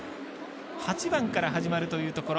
８番から始まるというところ。